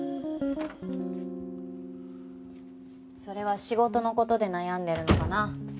それは仕事の事で悩んでるのかな？